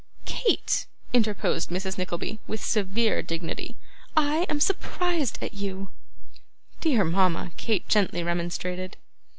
'Kate,' interposed Mrs. Nickleby with severe dignity, 'I am surprised at you.' 'Dear mama,' Kate gently remonstrated.